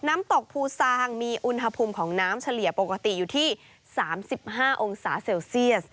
น้ำตกภูซางมีอุณหภูมิของน้ำเฉลี่ยปกติอยู่ที่๓๕องศาเซลเซียส